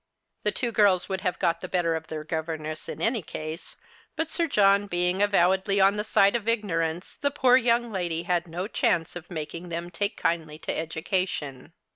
The two girls would have got the better of their governess in any case ; but Sir John being avowedly on the side of ignorance, the poor young la<ly had no chance of making them take kindly to education.